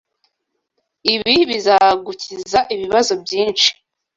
Ibi bizagukiza ibibazo byinshi.